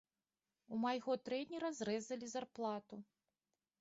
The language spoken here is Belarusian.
У майго трэнера зрэзалі зарплату.